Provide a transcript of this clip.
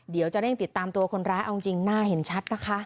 เดี๋ยวจะเร่งติดตามตัวคนร้ายเอาจริงหน้าเห็นชัดนะคะ